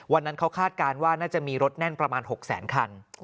วันนั้นเขาคาดการณ์ว่าน่าจะมีรถแน่นประมาณ๖แสนคัน